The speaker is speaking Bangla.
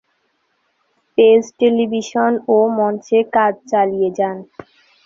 পেজ টেলিভিশন ও মঞ্চে কাজ চালিয়ে যান।